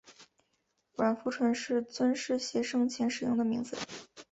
阮福淳是尊室协生前使用的名字。